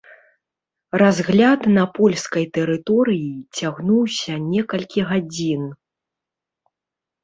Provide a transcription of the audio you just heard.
Разгляд на польскай тэрыторыі цягнуўся некалькі гадзін.